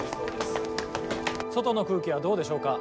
外の空気はどうでしょうか？